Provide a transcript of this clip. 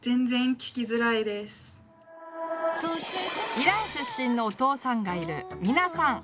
イラン出身のお父さんがいるミナさん。